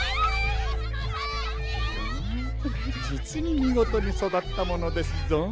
うんじつにみごとにそだったものですゾン。